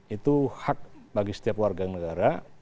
itu hak bagi setiap warga negara